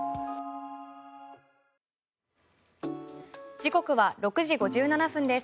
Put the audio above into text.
時刻は６時５７分です。